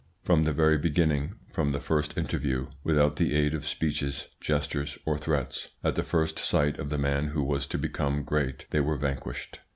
From the very beginning, from the first interview, without the aid of speeches, gestures, or threats, at the first sight of the man who was to become great they were vanquished.